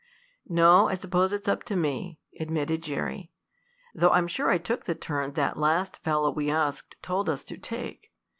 "No, I s'pose it's up to me," admitted Jerry. "Though I'm sure I took the turn that last fellow we asked told us to take."